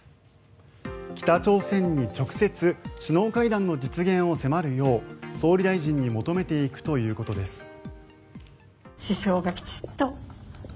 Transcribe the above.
北朝鮮に直接、首脳会談の実現を迫るよう総理大臣に求めていくということです。